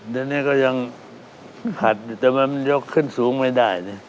เดี๋ยวนี้ก็ยังหัดแต่มันยกขึ้นสูงไม่ได้